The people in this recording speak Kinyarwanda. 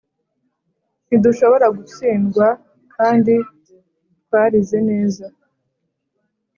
Ntidushobora gutsindwa kandi twarize neza